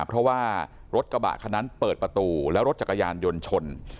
เพราะว่ารถกระบะคันนั้นเปิดประตูแล้วรถจักรยานยนต์ชน